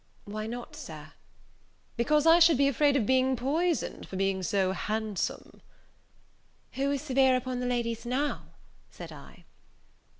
"Why not, Sir?" "Because I should be afraid of being poisoned for being so handsome." "Who is severe upon the ladies now?" said I.